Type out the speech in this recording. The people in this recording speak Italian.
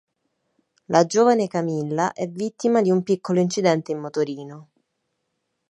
La giovane Camilla è vittima di un piccolo incidente in motorino.